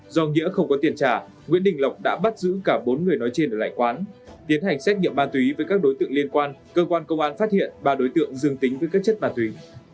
do nghĩa không có tiền trả nguyễn đình lộc đã bắt giữ cả bốn người nói trên ở lại quán tiến hành xét nghiệm ma túy với các đối tượng liên quan cơ quan công an phát hiện ba đối tượng dương tính với các chất ma túy